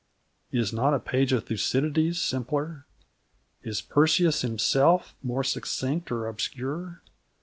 Is not a page of Thucydides simpler? Is Persius himself more succinct or obscure?